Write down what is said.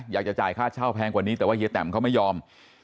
อยากจะจ่ายค่าเช่าแพงกว่านี้แต่ว่าเฮียแตมเขาไม่ยอม